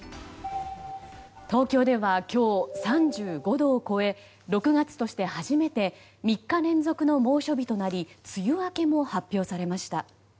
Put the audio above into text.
東京では今日、３５度を超え６月として初めて３日連続の猛暑日となり梅雨明けも発表されました。